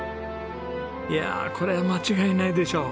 いやあこれは間違いないでしょう！